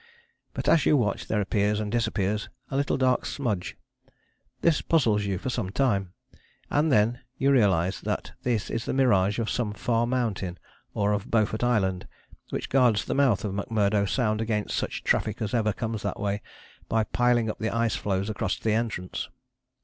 But as you watch there appears and disappears a little dark smudge. This puzzles you for some time, and then you realize that this is the mirage of some far mountain or of Beaufort Island, which guards the mouth of McMurdo Sound against such traffic as ever comes that way, by piling up the ice floes across the entrance.